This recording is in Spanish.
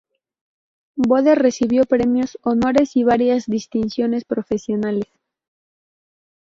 Bode recibió premios, honores y varias distinciones profesionales.